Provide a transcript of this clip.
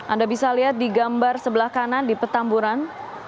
anda bisa lihat di gambar sebelah kanan di petamburan